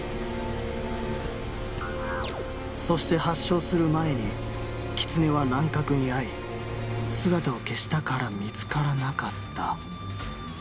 そして発症する前にキツネは乱獲に遭い姿を消したから見つからなかった。